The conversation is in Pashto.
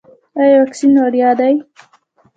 ایا واکسین وړیا دی؟